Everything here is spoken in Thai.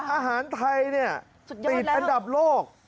อาหารไทยเนี่ยติดอันดับโลก